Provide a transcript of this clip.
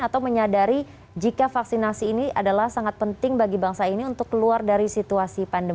atau menyadari jika vaksinasi ini adalah sangat penting bagi bangsa ini untuk keluar dari situasi pandemi